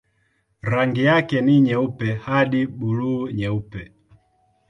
Rangi yake ni nyeupe hadi buluu-nyeupe.